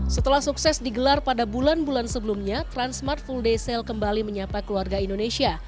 setelah sukses digelar pada bulan bulan sebelumnya transmart full day sale kembali menyapa keluarga indonesia